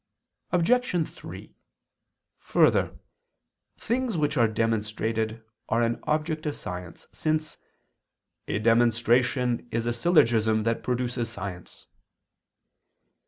Obj. 3: Further, things which are demonstrated are an object of science, since a "demonstration is a syllogism that produces science."